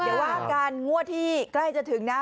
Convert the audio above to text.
เดี๋ยวว่ากันงวดที่ใกล้จะถึงนะ